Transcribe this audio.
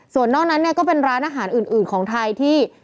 ส่วนนอกนั้นเนี่ยก็เป็นร้านอาหารอื่นของไทยที่